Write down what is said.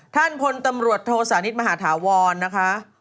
ท่านพลตำรวจโทสานิทมหาธาวรนะคะ